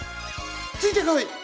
ついてこい！